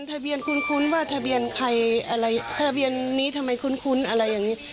ทะเบียนคุ้นว่าทะเบียนใครอะไรทะเบียนนี้ทำไมคุ้นอะไรอย่างนี้